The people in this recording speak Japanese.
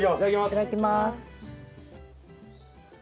いただきます。